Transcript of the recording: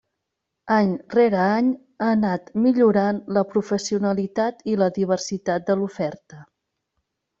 Any rere any ha anat millorant la professionalitat i la diversitat de l'oferta.